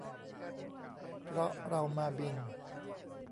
เพราะเรามาบิน